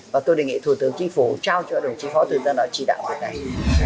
và tôi đề nghị thủ tướng chính phủ trao cho đồng chí phó tư ra nó chỉ đạo việc này